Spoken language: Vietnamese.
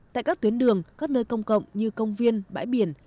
tại các tuyến đường các nơi công cộng như công viên bãi biển